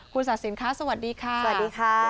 คุณศาสินคะสวัสดีค่ะสวัสดีค่ะ